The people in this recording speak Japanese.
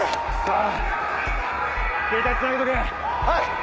はい。